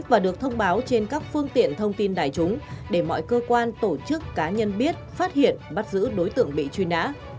và được thông báo trên các phương tiện thông tin đại chúng để mọi cơ quan tổ chức cá nhân biết phát hiện bắt giữ đối tượng bị truy nã